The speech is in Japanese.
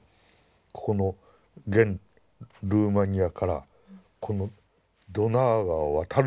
ここの現ルーマニアからこのドナウ川を渡るんです。